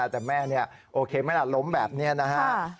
แต่แม่โอเคไม่ร้อนล้มแบบนี้นะครับ